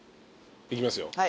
いきますよ。